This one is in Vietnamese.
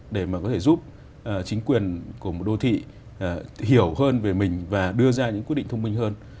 để mà có thể giúp chính quyền của một đô thị hiểu hơn về mình và đưa ra những quyết định thông minh hơn